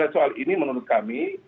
jadi soal ini menurut kami